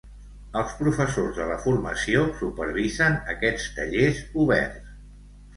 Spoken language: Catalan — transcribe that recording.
Els professors de la Formació supervisen aquests tallers oberts.